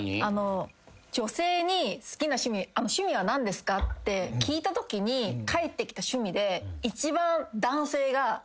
女性に趣味は何ですか？って聞いたときに返ってきた趣味で。